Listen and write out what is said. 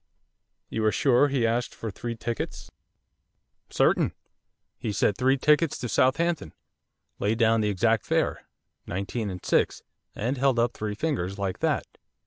'You are sure he asked for three tickets?' 'Certain. He said three tickets to Southampton; laid down the exact fare, nineteen and six and held up three fingers like that.